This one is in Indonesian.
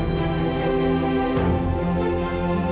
saya akan menangkan dia